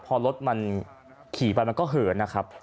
พอรถมันขี่ไปมันก็เหินนะครับ